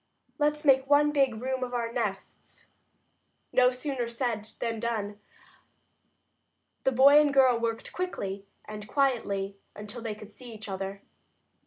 "Let's make one big room of our nests." No sooner said than done. The boy and girl worked quickly and quietly until they could see each other.